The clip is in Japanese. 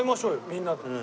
みんなで。